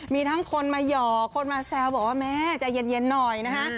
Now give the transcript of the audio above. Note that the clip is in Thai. มีทั้งคนมาหยอกคนมาแซวบอกว่าแม่ใจเย็นหน่อยนะฮะ